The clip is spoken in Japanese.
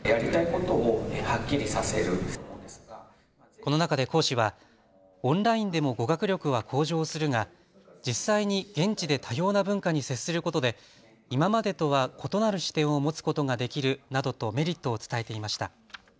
この中で講師はオンラインでも語学力は向上するが実際に現地で多様な文化に接することで今までとは異なる視点を持つことができるなどとメリットを伝えていました。